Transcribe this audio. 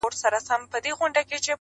په لاسو کي د اغیار لکه پېلوزی!.